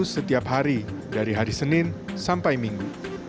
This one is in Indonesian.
setiap hari dari hari senin sampai minggu